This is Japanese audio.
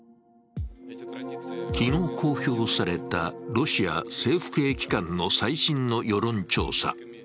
昨日公表されたロシア政府系機関の最新の世論調査。